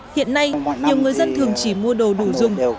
hiện nay nhiều người dân thường chỉ mua đồ đủ dùng